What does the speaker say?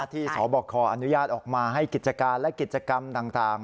สบคอนุญาตออกมาให้กิจการและกิจกรรมต่าง